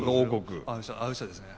アウシャですね。